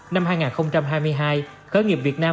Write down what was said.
năm hai nghìn hai mươi hai khởi nghiệp việt nam